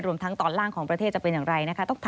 ทั้งตอนล่างของประเทศจะเป็นอย่างไรนะคะ